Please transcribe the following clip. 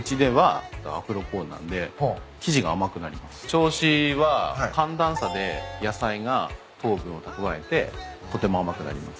銚子は寒暖差で野菜が糖分を蓄えてとても甘くなります。